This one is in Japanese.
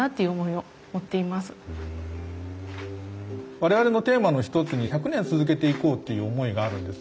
我々のテーマの一つに１００年続けていこうっていう思いがあるんですね。